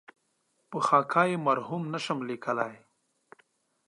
په خاکه کې یې مرحوم نشم لېکلای.